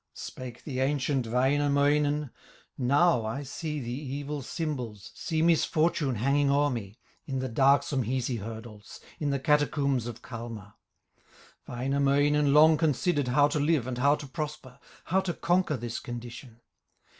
Spake the ancient Wainamoinen: "Now I see the evil symbols, See misfortune hanging o'er me, In the darksome Hisi hurdles, In the catacombs of Kalma." Wainamoinen long considered How to live and how to prosper, How to conquer this condition.